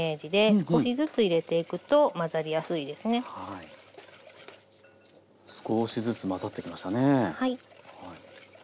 少しずつ混ざってきましたね。